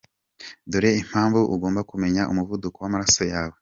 Dore impamvu ugomba kumenya umuvuduko w’amaraso yawe